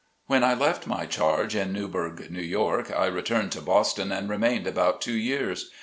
When I left my charge in Newburgh, N. Y., I returned to Boston and remained about two years.